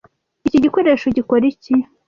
Iki gikoresho gikora iki?